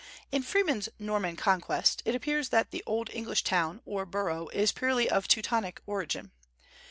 In Freeman's "Norman Conquest," it appears that the old English town, or borough, is purely of Teutonic origin.